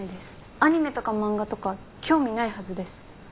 アニメとか漫画とか興味ないはずです。